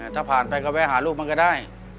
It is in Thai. ถ้าผ่านไปก็แวะหาลูกมันก็ได้